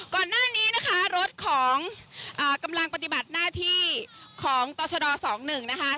ก่อนหน้านี้นะคะรถของกำลังปฏิบัติหน้าที่ของตรชด๒๑นะคะ